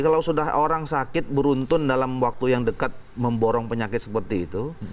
kalau sudah orang sakit beruntun dalam waktu yang dekat memborong penyakit seperti itu